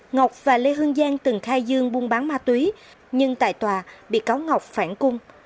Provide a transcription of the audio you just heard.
ngọc và lê hương giang từng khai dương buôn bán ma túy nhưng tại tòa bị cáo ngọc phản cung